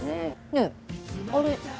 ねえあれ。